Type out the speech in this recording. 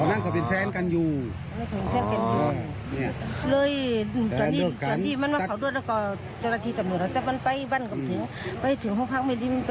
มันไปบ้านกับถึงไปถึงห้องพักไม่ดิ้ม